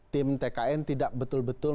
tim tkn tidak betul betul